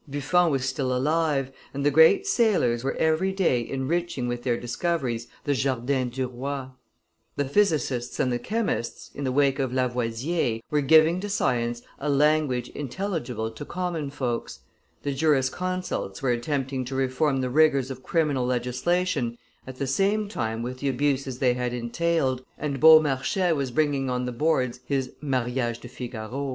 Buffon was still alive, and the great sailors were every day enriching with their discoveries the Jardin du Roi; the physicists and the chemists, in the wake of Lavoisier, were giving to science a language intelligible to common folks; the jurisconsults were attempting to reform the rigors of criminal legislation at the same time with the abuses they had entailed, and Beaumarchais was bringing on the boards his Manage de Figaro.